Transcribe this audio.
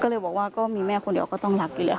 ก็เลยบอกว่าก็มีแม่คนเดียวก็ต้องรักอยู่แล้ว